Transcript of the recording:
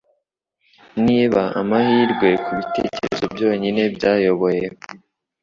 Niba amahirwe, kubitekerezo byonyine byayoboye,